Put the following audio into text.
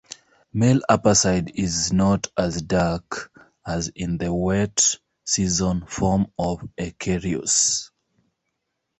Male upperside is not as dark as in the wet-season form of "echerius".